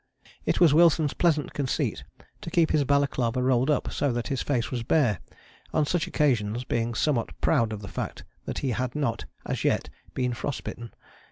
It was Wilson's pleasant conceit to keep his balaclava rolled up, so that his face was bare, on such occasions, being somewhat proud of the fact that he had not, as yet, been frost bitten.